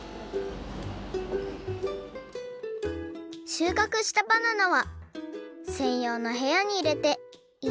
しゅうかくしたバナナはせんようのへやにいれて１